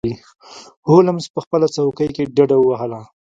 هولمز په خپله څوکۍ کې ډډه ووهله.